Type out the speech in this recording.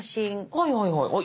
はいはいはいはい。